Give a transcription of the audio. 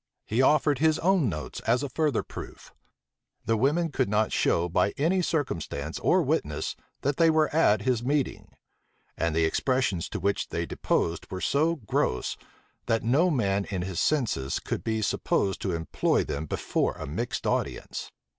He offered his own notes as a further proof. The women could not show by any circumstance or witness that they were at his meeting. And the expressions to which they deposed were so gross, that no man in his senses could be supposed to employ them before a mixed audience.